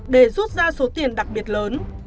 để rút ra số tiền đặc biệt lớn